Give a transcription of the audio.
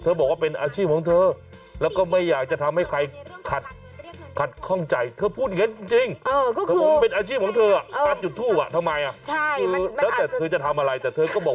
บอกว่าเป็นอาชีพของเธอแล้วก็ไม่อยากจะทำให้ใครขัดข้องใจเธอพูดอย่างนั้นจริง